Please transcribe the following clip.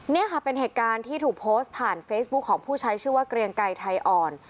นี่ค่ะเป็นเหตุการณ์ที่ถูกโพสต์ผ่านเฟซบุ๊คของผู้ใช้ชื่อว่าเกรียงไกรไทยอ่อน